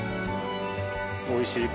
おいしい